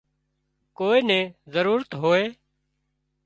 ڪوئي نين ضرورت هوئي